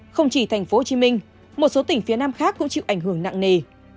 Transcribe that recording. không chỉ tp hcm một số tỉnh phía nam khác cũng chịu ảnh hưởng nặng nề